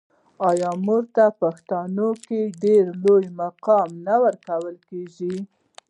آیا مور ته په پښتنو کې ډیر لوړ مقام نه ورکول کیږي؟